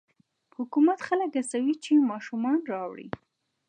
حکومت خلک هڅوي چې ماشومان راوړي.